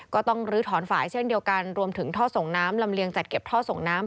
ก็ต้องลื้อถอนฝ่ายเช่นเดียวกันรวมถึงท่อส่งน้ำลำเลียงจัดเก็บท่อส่งน้ำ